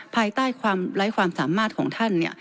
ภายใต้ความไร้ความสามารถของท่าน